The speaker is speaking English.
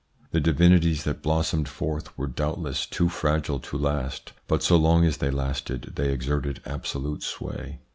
The divinities that blossomed forth were, doubtless, too fragile to last, but so long as they lasted they exerted absolute sway.